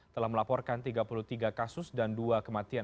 telah melaporkan tiga puluh tiga kasus dan dua kematian